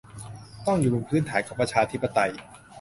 ต้องอยู่บนพื้นฐานของประชาธิปไตย